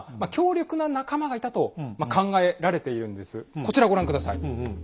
こちらご覧下さい。